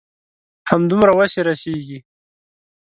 همدومره وس يې رسيږي.